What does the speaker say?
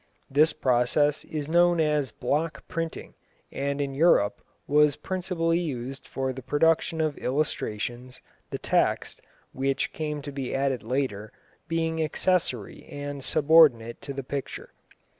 This process is known as block printing, and in Europe was principally used for the production of illustrations, the text, which came to be added later, being accessory and subordinate to the picture.